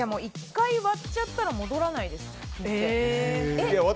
１回割っちゃったら戻らないです。